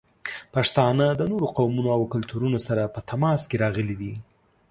پښتانه د نورو قومونو او کلتورونو سره په تماس کې راغلي دي.